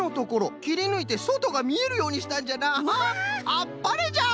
あっぱれじゃ！